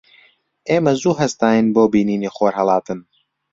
ئێمە زوو هەستاین بۆ بینینی خۆرهەڵاتن.